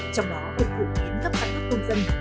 trong đó hệ thủ tiến cấp căn cước công dân